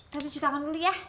tante cuci tangan dulu ya